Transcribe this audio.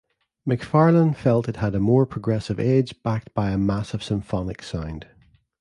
McFarlane felt it had a "more progressive edge backed by a massive symphonic sound".